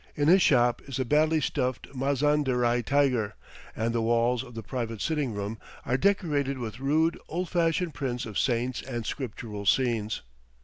In his shop is a badly stuffed Mazanderaii tiger, and the walls of the private sitting room are decorated with rude, old fashioned prints of saints and scriptural scenes.